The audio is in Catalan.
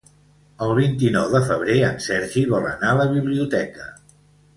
El vint-i-nou de febrer en Sergi vol anar a la biblioteca.